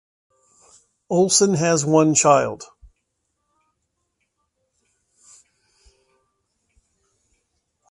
Olson has one child.